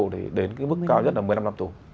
đến cái mức cao nhất là một mươi năm năm tù